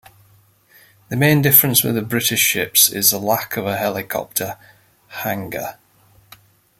The main difference with the British ships is the lack of a helicopter hangar.